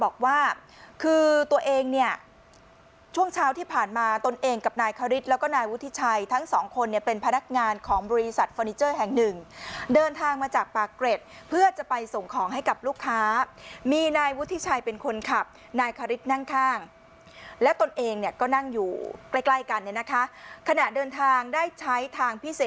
บอกว่าคือตัวเองเนี่ยช่วงเช้าที่ผ่านมาตนเองกับนายคริสแล้วก็นายวุฒิชัยทั้งสองคนเนี่ยเป็นพนักงานของบริษัทฟอร์นิเจอร์แห่งหนึ่งเดินทางมาจากปากเกร็ดเพื่อจะไปส่งของให้กับลูกค้ามีนายวุฒิชัยเป็นคนขับนายคริสนั่งข้างและตนเองเนี่ยก็นั่งอยู่ใกล้ใกล้กันเนี่ยนะคะขณะเดินทางได้ใช้ทางพิเศษ